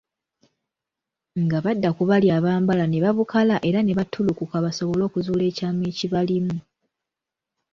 Nga badda ku bali abambala ne babukala era ne battulukuka basobole okuzuula ekyama ekibalimu.